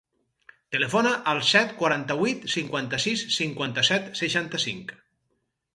Telefona al set, quaranta-vuit, cinquanta-sis, cinquanta-set, seixanta-cinc.